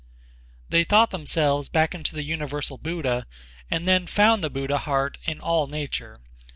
They thought themselves back into the universal Buddha and then found the Buddha heart in all nature.